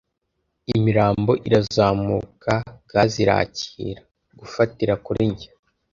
Imirambo irazamuka, gasi irakira, gufatira kuri njye.